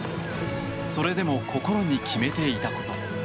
それでも心に決めていたこと。